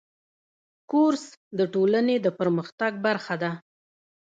کورس د ټولنې د پرمختګ برخه ده.